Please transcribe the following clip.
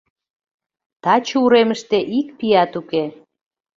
Таче уремыште ик пият уке...